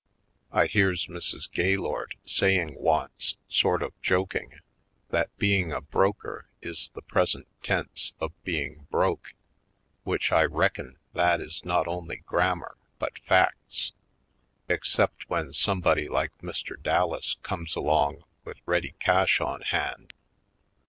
I hears Mrs. Gay lord saying once, sort of joking, that being a broker is the present tense of being broke, which I reckon that is not only grammar but facts, except when somebody like Mr. Dallas comes along with ready cash on hand.